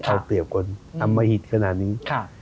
เอาเปรียบก่อนอมหิตขนาดนี้